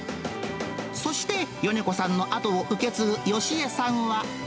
そして米子さんの後を受け継ぐよしえさんは。